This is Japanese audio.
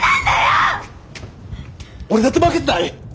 俺だって負けてない。